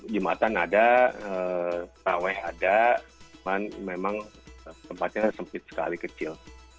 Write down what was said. jumatan ada taweh ada cuman memang tempatnya sempit sekali kecil